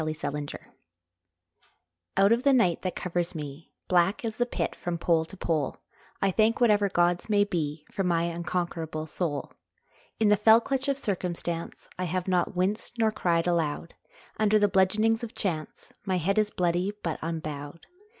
Y Z Invictus OUT of the night that covers me, Black as the Pit from pole to pole, I thank whatever gods may be For my unconquerable soul. In the fell clutch of circumstance I have not winced nor cried aloud, Under the bludgeonings of chance My head is bloody, but unbowed.